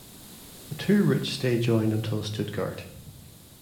The two routes stay joined until Stuttgart.